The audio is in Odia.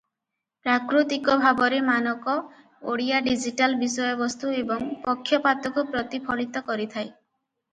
ପ୍ରାକୃତିକ ଭାବରେ ମାନକ ଓଡ଼ିଆ ଡିଜିଟାଲ ବିଷୟବସ୍ତୁ ଏହି ପକ୍ଷପାତକୁ ପ୍ରତିଫଳିତ କରିଥାଏ ।